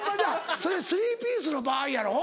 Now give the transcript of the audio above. それスリーピースの場合やろ？